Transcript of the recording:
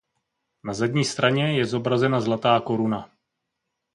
Na zadní straně je zobrazena zlatá koruna.